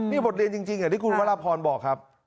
นี่บทเรียนจริงที่คุณพระราบพรบอกครับ